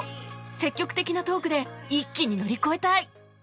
積極的なトークで一気に乗り越えたい